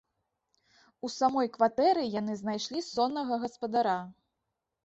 У самой кватэры яны знайшлі соннага гаспадара.